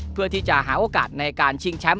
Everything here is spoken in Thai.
เพื่อที่จะหาโอกาสในการชิงแชมป์